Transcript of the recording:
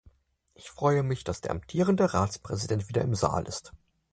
Ich freue mich, dass der amtierende Ratspräsident wieder im Saal ist.